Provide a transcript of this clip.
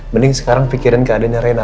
mending sekarang pikirin keadanya rena